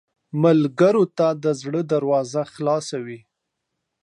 ملګری ته د زړه دروازه خلاصه وي